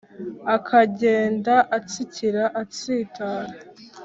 akagenda atsikira atsitara